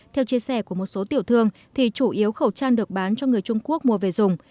theo chia sẻ của một số tiểu thương thì chủ yếu khẩu trang được bán cho người trung quốc mua về dùng